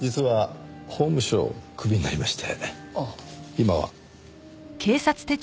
今は。